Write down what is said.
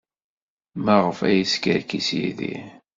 Maɣef ay yeskerkis Yidir?